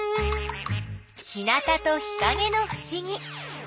日なたと日かげのふしぎ。